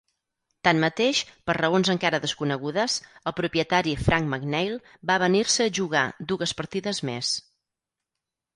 Tanmateix, per raons encara desconegudes, el propietari Frank McNeil va avenir-se a jugar dues partides més.